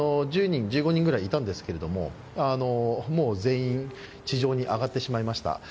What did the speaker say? １５人ぐらいいたんですけれどももう全員、地上に上がってしまいました。